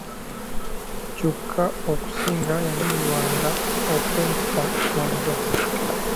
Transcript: Kyokka okusinga yanyumirwanga kumpita Najja.